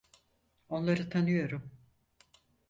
Onları tanıyorum.